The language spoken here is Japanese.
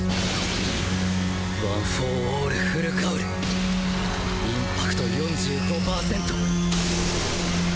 ワン・フォー・オールフルカウルインパクト ４５％